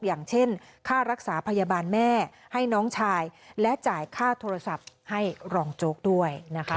อย่างเช่นค่ารักษาพยาบาลแม่ให้น้องชายและจ่ายค่าโทรศัพท์ให้รองโจ๊กด้วยนะคะ